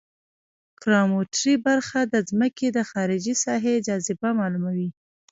ګراومتري برخه د ځمکې د خارجي ساحې جاذبه معلوموي